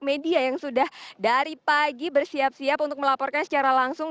media yang sudah dari pagi bersiap siap untuk melaporkan secara langsung